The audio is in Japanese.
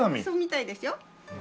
そうみたいですよ。